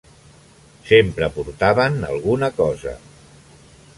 Sempre portaven alguna cosa.